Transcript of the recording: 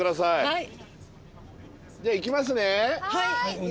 はい。